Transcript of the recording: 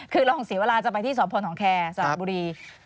คือรองศีวราจะไปที่สอบพลทองแคร์สหบุรี